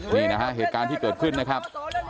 นี่นะฮะเหตุการณ์ที่เกิดขึ้นนะครับ